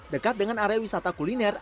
dekat dengan area wisata kuliner